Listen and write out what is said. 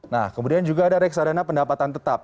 nah kemudian juga ada reksadana pendapatan tetap